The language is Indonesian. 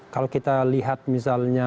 kalau kita lihat misalnya